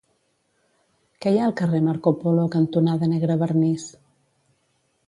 Què hi ha al carrer Marco Polo cantonada Negrevernís?